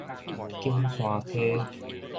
景山溪